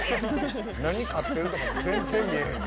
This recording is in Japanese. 何を飼ってるとか全然見えへん。